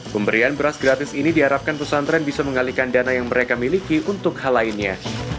pemberian beras gratis ini diharapkan pesantren bisa mengalihkan dana yang mereka miliki untuk hal lainnya